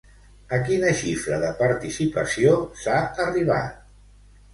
A quina xifra de participació s'ha arribat?